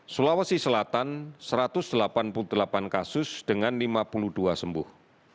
sulawesi selatan satu ratus delapan puluh delapan kasus dengan lima puluh dua sembuh